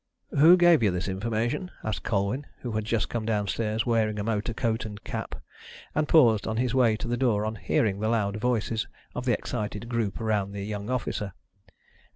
"Who gave you this information?" asked Colwyn, who had just come down stairs wearing a motor coat and cap, and paused on his way to the door on hearing the loud voices of the excited group round the young officer.